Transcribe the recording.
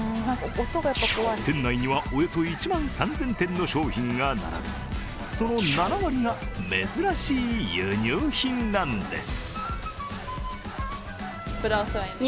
店内には、およそ１万３０００点の商品が並び、その７割が珍しい輸入品なんです。